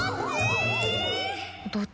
どどっち！？